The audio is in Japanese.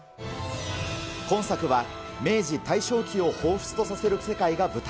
今作は明治・大正期をほうふつとさせる世界が舞台。